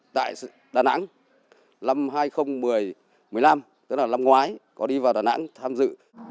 tại đà nẵng năm hai nghìn một mươi năm tức là năm ngoái có đi vào đà nẵng tham dự